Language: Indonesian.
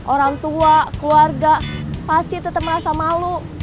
orang tua keluarga pasti tetap merasa malu